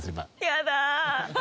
やだ！